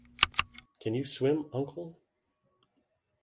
Can you swim, uncle?